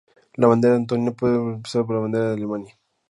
La bandera estonia fue pronto reemplazada por la bandera de Alemania.